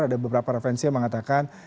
ada beberapa referensi yang mengatakan